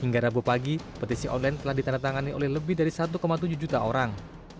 hingga rabu pagi petisi online telah ditandatangani oleh lebih dari satu tujuh juta orang